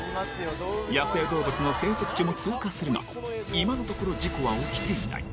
野生動物の生息地も通過するが今のところ事故は起きていない。